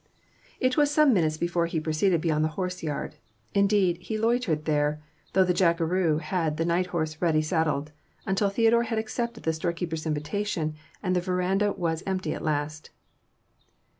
But it was some minutes before he proceeded beyond the horse yard; indeed, he loitered there, though the jackeroo had the night horse ready saddled, until Theodore had accepted the storekeeper's invitation, and the verandah was empty at last.